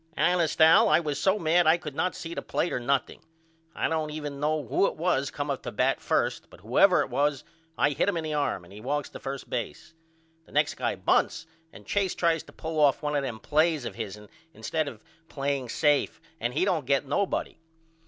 Honest Al I was so mad I could not see the plate or nothing. I don't even know who it was come up to bat 1st but whoever it was I hit him in the arm and he walks to first base. The next guy bunts and Chase tries to pull off 1 of them plays of hisn instead of playing safe and he don't get nobody.